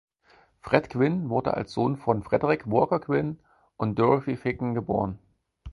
Fred Gwynne wurde als Sohn von Frederick Walker Gwynne und Dorothy Ficken geboren.